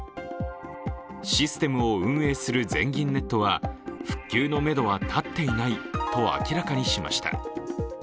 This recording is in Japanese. システムを運営する全銀ネットは復旧のめどは立っていないと明らかにしました。